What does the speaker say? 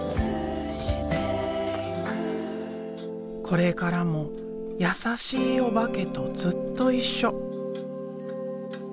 これからも優しいおばけとずっと一緒。